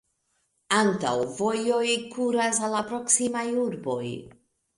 Aŭtovojoj kuras al la proksimaj urboj.